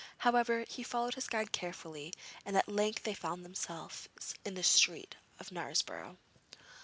However, he followed his guide carefully and at length they found themselves in the streets of Knaresborough.